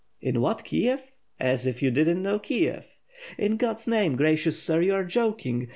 "In what Kiev? As if you did not know Kiev!" "In God's name, gracious sir, you are joking!